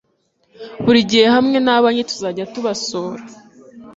burigihe hamwe nabanjye tuzajya tubasura